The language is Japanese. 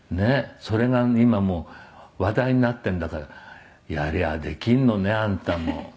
「それが今もう話題になっているんだからやりゃあできるのねあんたも」